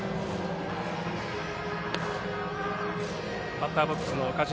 バッターボックスの岡島。